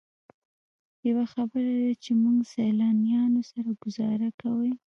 یوه خبره ده چې موږ سیلانیانو سره ګوزاره کوئ.